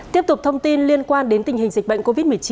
tiếp tục thông tin liên quan đến tình hình dịch bệnh covid một mươi chín